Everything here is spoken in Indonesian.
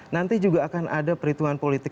nanti juga akan ada perhitungan politik